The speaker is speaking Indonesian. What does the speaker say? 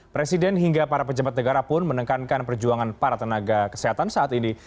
presiden hingga para pejabat negara pun menekankan perjuangan para tenaga kesehatan saat ini